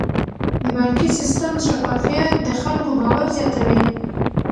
د بانکي سیستم شفافیت د خلکو باور زیاتوي.